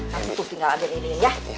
tunggu tinggal adek ini ya